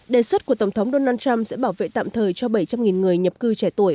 đề xuất của tổng thống donald trump sẽ bảo vệ tạm thời cho bảy trăm linh người nhập cư trẻ tuổi